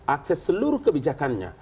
akses seluruh kebijakannya